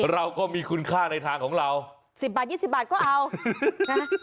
เราก็มีคุณค่าในทางของเราสิบบาทยี่สิบบาทก็เอานะฮะ